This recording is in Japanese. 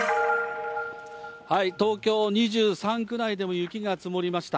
東京２３区内でも雪が積もりました。